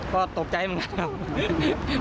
ก็ตกใจมากันครับ